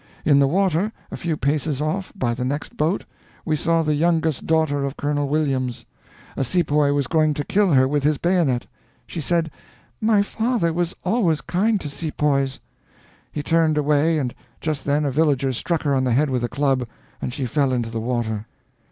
In the water, a few paces off, by the next boat, we saw the youngest daughter of Colonel Williams. A sepoy was going to kill her with his bayonet. She said, 'My father was always kind to sepoys.' He turned away, and just then a villager struck her on the head with a club, and she fell into the water.